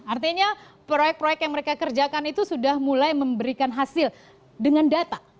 artinya proyek proyek yang mereka kerjakan itu sudah mulai memberikan hasil dengan data